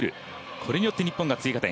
これによって日本が追加点。